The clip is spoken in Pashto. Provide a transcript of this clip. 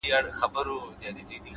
د هدف وضاحت د ذهن ګډوډي ختموي؛